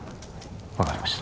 分かりました・